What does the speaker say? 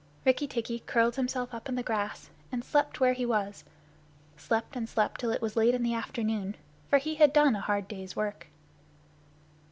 Rikki tikki curled himself up in the grass and slept where he was slept and slept till it was late in the afternoon, for he had done a hard day's work.